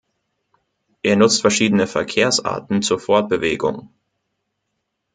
Er nutzt verschiedene Verkehrsarten zur Fortbewegung.